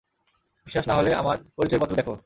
বিশ্বাস না হলে আমার পরিচয়পত্র দেখো।